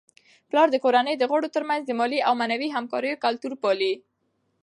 پلار د کورنی د غړو ترمنځ د مالي او معنوي همکاریو کلتور پالي.